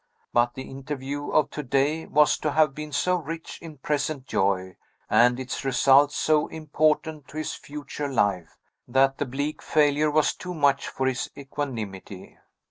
But the interview of to day was to have been so rich in present joy, and its results so important to his future life, that the bleak failure was too much for his equanimity.